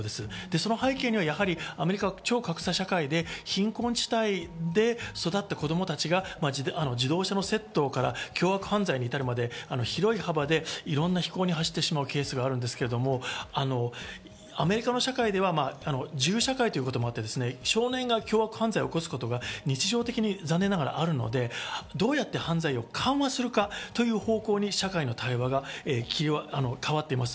その背景にはアメリカは超格差社会で貧困地帯で育った子供たちが自動車の窃盗から凶悪犯罪に至るまで、広い幅で非行に走ってしまうケースがあるんですけど、アメリカの社会では銃社会ということもあって、少年が凶悪犯罪を起こすことが日常的に残念ながらあるので、どうやって犯罪を緩和するかというほうに社会が変わっています。